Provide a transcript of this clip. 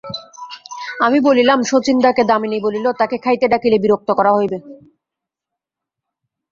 আমি বলিলাম, শচীশদাকে– দামিনী বলিল, তাঁকে খাইতে ডাকিলে বিরক্ত করা হইবে।